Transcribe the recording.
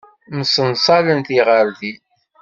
Msenṣalen tiɣeṛdin.